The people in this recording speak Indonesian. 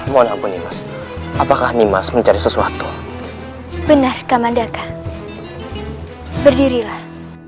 mohon ampun apakah nimas mencari sesuatu benar kamandaka berdirilah